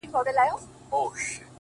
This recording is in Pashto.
لنډ ماځيگر انتظار; اوږده غرمه انتظار;